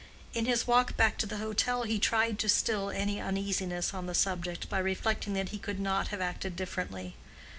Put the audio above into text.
In his walk back to the hotel he tried to still any uneasiness on the subject by reflecting that he could not have acted differently.